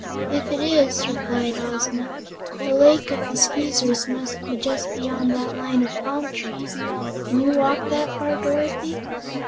"If it is," replied Ozma, "the Lake of the Skeezers must be just beyond the line of palm trees. Can you walk that far, Dorothy?"